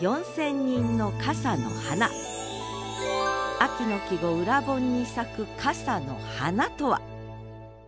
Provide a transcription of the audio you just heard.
秋の季語「盂蘭盆」に咲く「傘の華」とは？